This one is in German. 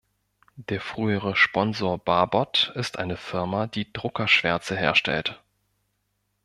Der frühere Sponsor Barbot ist eine Firma, die Druckerschwärze herstellt.